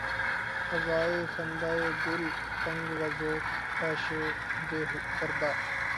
فضائے خندۂ گل تنگ و ذوق عیش بے پردا